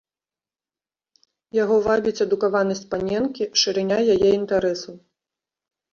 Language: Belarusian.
Яго вабіць адукаванасць паненкі, шырыня яе інтарэсаў.